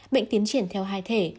bệnh tiến triển theo hai thể